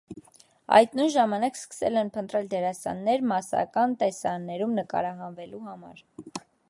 Այդ նույն ժամանակ սկսել են փնտրել դերասաններ մասսայական տեսարաններում նկարահանվելու համար։